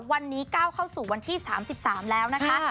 วันนี้ก้าวเข้าสู่วันที่๓๓แล้วนะคะ